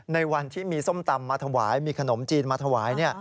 ในวันที่มีส้มตำมาถวายมีขนมจีนมาถวาย